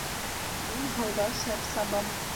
Мин һыуҙа шәп сабам.